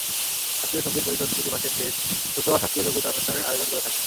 শাস্ত্রীয় সংগীত পরিষদ প্রতি মাসের শেষ শুক্রবার শাস্ত্রীয় সংগীতানুষ্ঠানের আয়োজন করে থাকে।